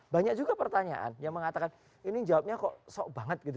banyak juga pertanyaan yang mengatakan ini jawabnya kok sok banget gitu